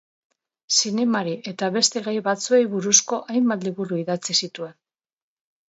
Zinemari eta beste gai batzuei buruzko hainbat liburu idatzi zituen.